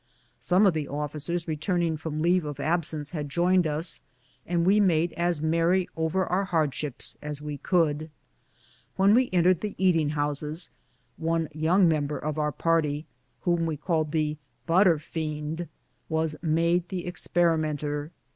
Some of the of ficers returning from leave of absence had joined us, and we made as merry over our hardships as we could. When we entered the eating houses, one young mem ber of our party, whom we called the " butter fiend," was made the experimenter.